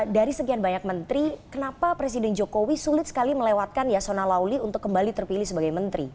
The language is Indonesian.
dari sekian banyak menteri kenapa presiden jokowi sulit sekali melewatkan yasona lawli untuk kembali terpilih sebagai menteri